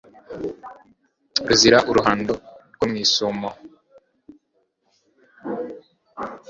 Ruzira uruhando rwo mwisumo